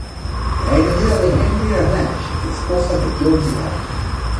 La heredera de Henry era Blanche, esposa de John de Gaunt.